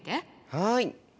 はい。